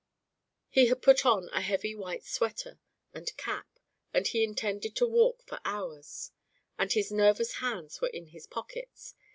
He had put on a heavy white sweater and cap, as he intended to walk for hours, and his nervous hands were in his pockets.